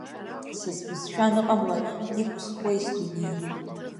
Са сбызшәа аныҟамла, иқәысхуеи сдунеи?